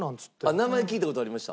名前聞いた事ありました。